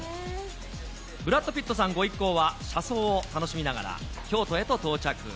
ブラッド・ピットさんご一行は車窓を楽しみながら、京都へと到着。